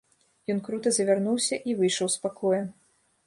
Ён крута завярнуўся і выйшаў з пакоя.